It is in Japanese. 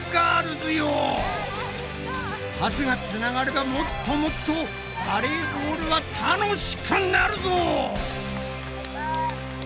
パスがつながればもっともっとバレーボールは楽しくなるぞ！